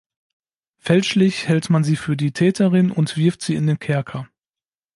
Fälschlich hält man sie für die Täterin und wirft sie in den Kerker.